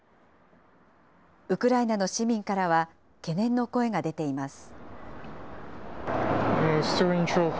ウクライナの市民からは、懸念の声が出ています。